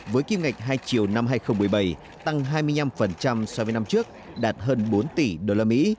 với kim ngạch hai triệu năm hai nghìn một mươi bảy tăng hai mươi năm so với năm trước đạt hơn bốn tỷ usd